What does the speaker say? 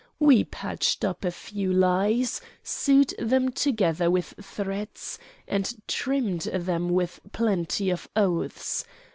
We patched up a few lies, sewed them together with threats, and trimmed them with plenty of oaths.